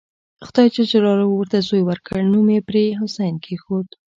خدای ج ورته زوی ورکړ نوم یې پرې حسین کېښود.